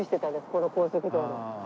この高速道路。